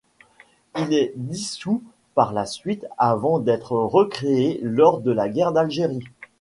Il est dissous par la suite, avant d'être recrée lors de la guerre d'Algérie.